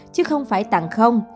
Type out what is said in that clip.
chứ không phải tặng